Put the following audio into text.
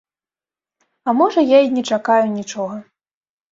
А, можа, я і не чакаю нічога.